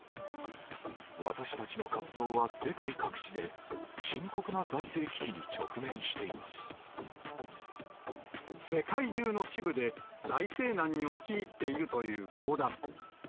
私たちの活動は世界各地で、世界中の支部で、財政難に陥っているという教団。